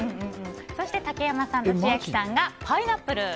そして竹山さんと千秋さんがパイナップル。